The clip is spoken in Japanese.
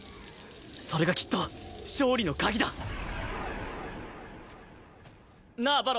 それがきっと勝利の鍵だ！なあ馬狼！